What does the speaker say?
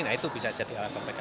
nah itu bisa jadi alasan mereka